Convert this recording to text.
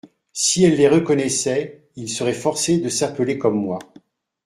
Si elle les reconnaissait, ils seraient forcés de s'appeler comme moi.